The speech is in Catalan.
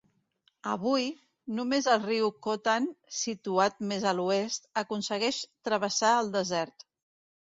Avui, només el riu Khotan, situat més a l'oest, aconsegueix travessar el desert.